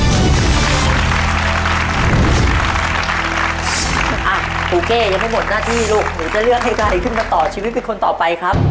ครูเก้ยังไม่หมดหน้าที่ลูกหนูจะเลือกให้ใครขึ้นมาต่อชีวิตเป็นคนต่อไปครับ